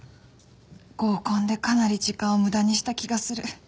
合コンでかなり時間を無駄にした気がする